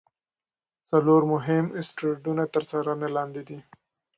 څلور مهم اسټروېډونه تر څارنې لاندې دي.